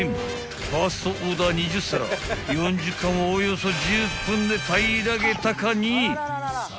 ［ファーストオーダー２０皿４０貫をおよそ１０分で平らげたかに］